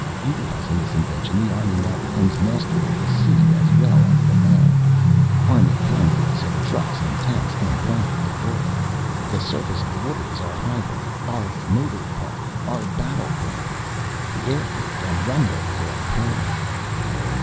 "Utilizing this invention the Army now becomes master of the sea as well as the land. Army convoys of trucks and tanks can blanket the world. The surface of the water is our highway, our motor park, our battleground the airfield and runway for our planes."